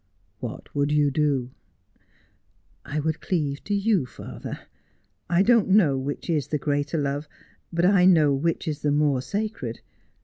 33 ' What would you do 1 '' I would cleave to you, father. I don't know which is the greater love, but I know which is the more sacred.